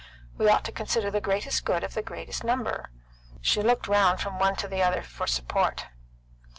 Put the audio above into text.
We ought to consider the greatest good of the greatest number." She looked round from one to another for support.